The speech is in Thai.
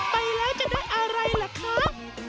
ไปแล้วจะได้อะไรล่ะคะ